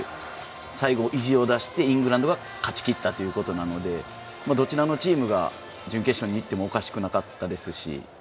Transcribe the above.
最後、意地を出してイングランドが勝ちきったということなのでどちらのチームが準決勝にいってもおかしくなかったですし